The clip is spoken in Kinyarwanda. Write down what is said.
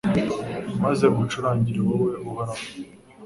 maze ngucurangire wowe Uhoraho